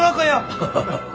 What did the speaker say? ハハハハハ。